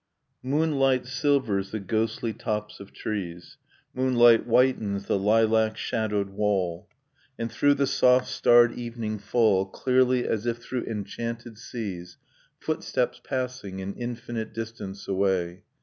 Moonlight silvers the ghostly tops of trees, Moonlight whitens the lilac shadowed wall; And through the soft starred evening fall Clearly as if through enchanted seas Footsteps passing, an infinite distance away.